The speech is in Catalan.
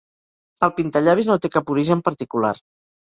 El pintallavis no té cap origen particular.